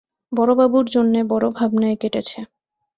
বড়োবাবুর জন্যে বড়ো ভাবনায় কেটেছে।